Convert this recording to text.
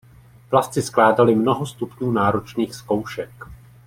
Plavci skládali mnoho stupňů náročných zkoušek.